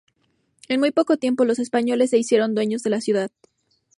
En muy poco tiempo, los españoles se hicieron dueños de la ciudad.